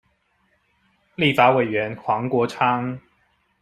立法委員黃國昌